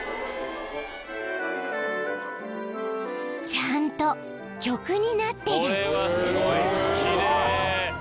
［ちゃんと曲になってる］